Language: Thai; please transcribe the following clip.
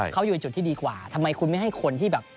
เขาอยู่ในจุดที่ดีกว่าทำไมคุณไม่ให้คนที่แบบ